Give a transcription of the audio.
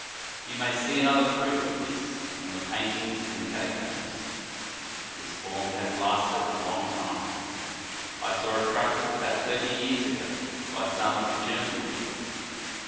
You may see another proof of this on the paintings in the Catacombs. This form has lasted a long time. I saw it prac tised about thirty years ago, by some of the German people.